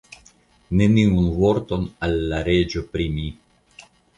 Neniun vorton al la reĝo pri mi.